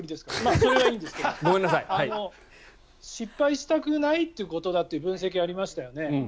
それはいいんですけど失敗したくないという分析がありましたよね。